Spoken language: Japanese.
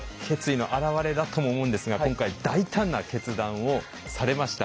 決意の表れだとも思うんですが今回大胆な決断をされました。